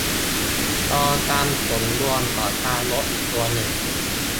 ลองทำผลรวมของการลบอีกตัวหนึ่ง